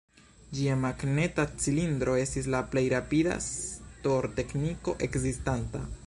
Ĝia magneta cilindro estis la plej rapida stor-tekniko ekzistanta.